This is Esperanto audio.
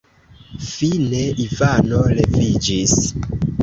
Fine Ivano leviĝis.